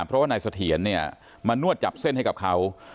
เพราะว่านายเสถียรเนี่ยมานวดจับเส้นให้กับเขา